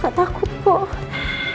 jadi takut di kakong sih